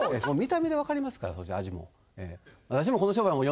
もう見た目で分かりますから味も私もこの商売